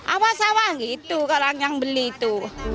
apa sama gitu kalau yang beli itu